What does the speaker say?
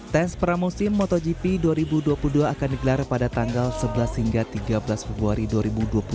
tes pramusim motogp dua ribu dua puluh dua akan digelar pada tanggal sebelas hingga tiga belas februari dua ribu dua puluh tiga